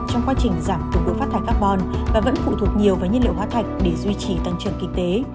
trong quá trình giảm cường độ phát thải carbon và vẫn phụ thuộc nhiều vào nhiên liệu hóa thạch để duy trì tăng trưởng kinh tế